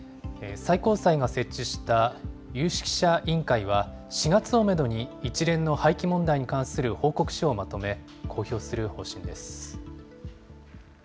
最高裁が設置した、有識者委員会は、４月をメドに、一連の廃棄問題に関する報告書をまとめ、公表する方針です。